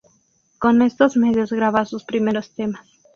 Con estos medios graba sus primeros temas.